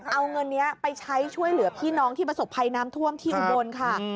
เอาเงินนี้ไปใช้ช่วยเหลือพี่น้องที่ประสบภัยน้ำท่วมที่อุบลค่ะ